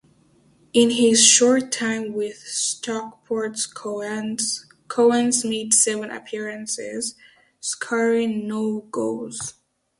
In his short time with Stockport Cowans made seven appearances, scoring no goals.